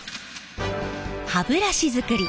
歯ブラシづくり